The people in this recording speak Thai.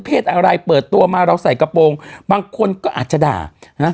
อะไรเปิดตัวมาเราใส่กระโปรงบางคนก็อาจจะด่าฮะ